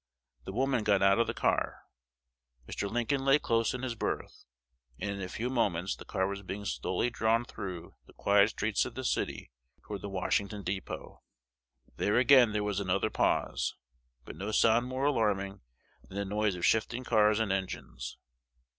The woman got out of the car. Mr. Lincoln lay close in his berth; and in a few moments the car was being slowly drawn through the quiet streets of the city toward the Washington dépôt. There again there was another pause, but no sound more alarming than the noise of shifting cars and engines.